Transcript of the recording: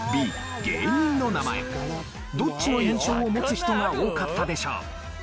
どっちの印象を持つ人が多かったでしょう？